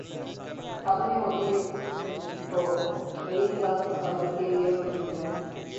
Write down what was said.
تھانوں میں ہوتی ہو، میری حفاظت کے لیے تو نہیں ہے۔